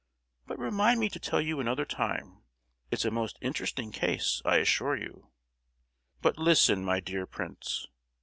But remind me to tell you another time; it's a most interesting case, I assure you!" "But listen, my dear prince!"